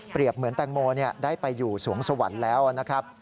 เหมือนแตงโมได้ไปอยู่สวงสวรรค์แล้วนะครับ